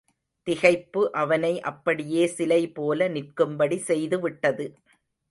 திகைப்பு அவனை அப்படியே சிலைபோல நிற்கும்படி செய்துவிட்டது.